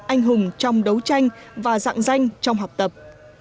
anh hùng trong đấu tranh và dạng danh trong học tập